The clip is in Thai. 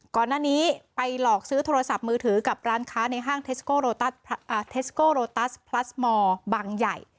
ก่อนหน้านี้ไปหลอกซื้อโทรศัพท์มือถือกับร้านค้าในห้างเทสโกเทสโกโรตัสพลัสมอร์บังใหญ่